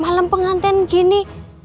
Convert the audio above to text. malam pengantin gini